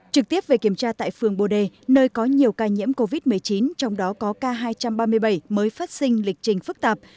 trực tiếp về kiểm tra tại phường bồ đề nơi có nhiều ca nhiễm covid một mươi chín trong đó có ca hai trăm ba mươi bảy mới phát sinh lịch trình phức tạp